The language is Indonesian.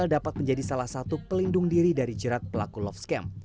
dapat menjadi salah satu pelindung diri dari jerat pelaku love scam